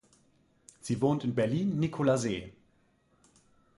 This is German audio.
Sie wohnt in Berlin-Nikolassee.